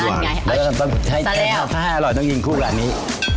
ถ้าให้อร่อยต้องกินคู่กับอันนี้